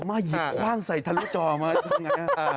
อาม่าหยิบร่างใส่ทะลุจอมา